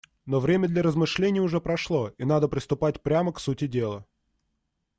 Но время для размышлений уже прошло, и надо приступать прямо к сути дела.